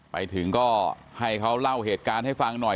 ไปถึงก็ให้เขาเล่าเหตุการณ์ให้ฟังหน่อย